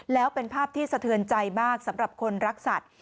แล้วเป็นภาพที่สะเทือนใจมากสำหรับคนรักสัตว์